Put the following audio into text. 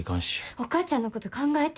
お母ちゃんのこと考えて。